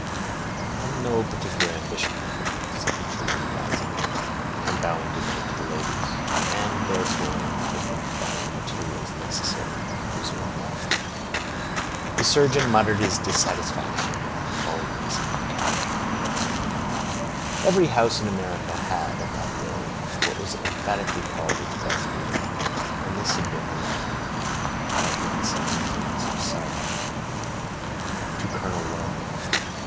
"I have no particular ambition that way," said the trooper, rising, and bowing good night to the ladies, "and, therefore, have been providing materials necessary to preserve life." The surgeon muttered his dissatisfaction, while he followed Mason and the captain from the apartment. Every house in America had, at that day, what was emphatically called its best room, and this had been allotted, by the unseen influence of Sarah, to Colonel Wellmere.